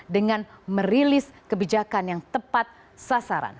dengan merilis kebijakan yang tepat sasaran